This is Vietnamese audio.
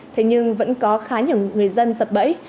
thế nhưng vẫn có khá nhiều người dân sập bẫy